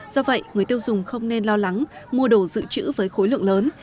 do vậy người tiêu dùng không nên lo lắng mua đồ dự trữ với khối lượng lớn